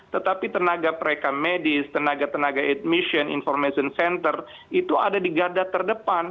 tetapi tenaga preka medis tenaga tenaga admission information center itu ada di garda terdepan